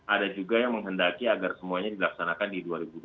ada juga yang menghendaki agar semuanya dilaksanakan di dua ribu dua puluh